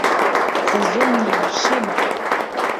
Цезония, шым!